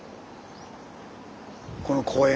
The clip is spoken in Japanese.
この公園。